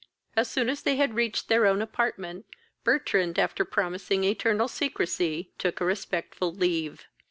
As soon as they had reached their own apartment, Bertrand, after promising eternal secrecy, took a respectful leave.